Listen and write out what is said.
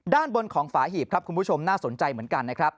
ด้านบนของฝาหีบครับคุณผู้ชมน่าสนใจเหมือนกันนะครับ